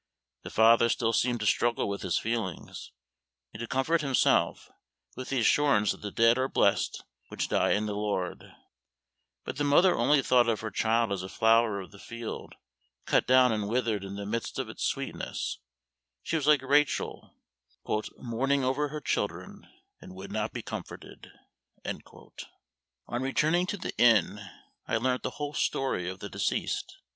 The father still seemed to struggle with his feelings, and to comfort himself with the assurance that the dead are blessed which die in the Lord; but the mother only thought of her child as a flower of the field cut down and withered in the midst of its sweetness; she was like Rachel, "mourning over her children, and would not be comforted." On returning to the inn I learnt the whole story of the deceased.